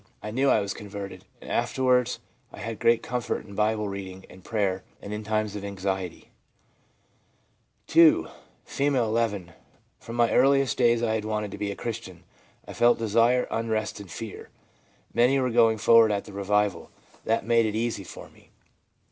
I knew I was converted ; and afterwards I had great comfort in Bible reading and prayer, and in times of anxiety/ (2.) F., 11. ' From my earliest days I had wanted to be a Christian ; I felt desire, unrest and fear. Many were going forward at the revival ; that made it easy for me.